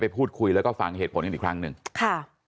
พูดคุยแล้วก็ฟังเหตุผลกันอีกครั้งหนึ่งค่ะ